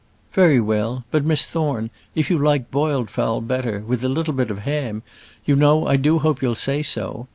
"Very well. But, Miss Thorne, if you like boiled fowl better, with a little bit of ham, you know, I do hope you'll say so.